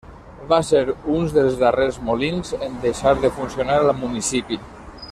Va ser uns dels darrers molins en deixar de funcionar al municipi.